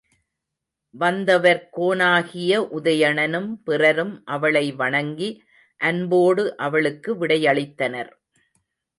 வத்தவர்கோனாகிய உதயணனும் பிறரும் அவளை வணங்கி அன்போடு அவளுக்கு விடையளித்தனர்.